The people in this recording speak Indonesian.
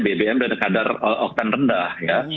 bbm dengan kadar oktan rendah